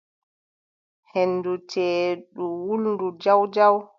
Henndu ceeɗu wulndu jaw jaw.